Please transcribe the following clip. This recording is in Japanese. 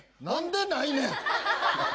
何でないねん